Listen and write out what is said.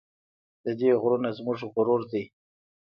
د دې غرونه زموږ غرور دی